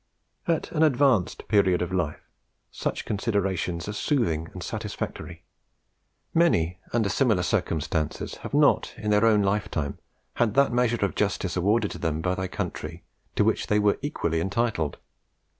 "At an advanced period of life, such considerations are soothing and satisfactory. Many under similar circumstances have not, in their own lifetime, had that measure of justice awarded to them by their country to which they were equally entitled.